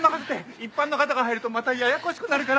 一般の方が入るとまたややこしくなるから。